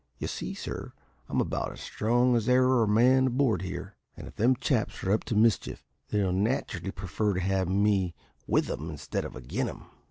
You see, sir, I'm about as strong as e'er a man aboard here, and if them chaps are up to mischief they'll nat'rally prefer to have me with 'em instead of again' 'em."